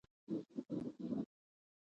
په خپلو پیسو شکر وباسئ.